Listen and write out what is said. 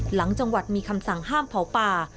หลังจังหวัดมีคำสั่งห้ามเผาป่า